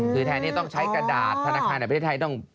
คือแทนนี้ต้องใช้กระดาษธนาคารในประเทศไทยต้อง